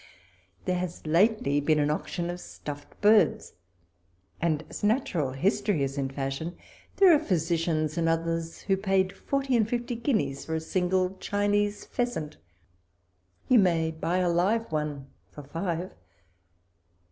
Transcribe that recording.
There has lately been an auction of stuffed birds ; and, as natural history is in fashion, there are physicians and others who paid forty and fifty guineas for a single Chinese pheasant ; you may buy a live one for five.